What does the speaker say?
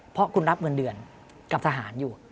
เพราะคุณรับเงินเดือนกับทหารอยู่